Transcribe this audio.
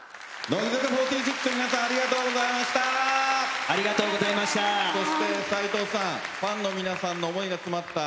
乃木坂４６の皆さんありがとうございました。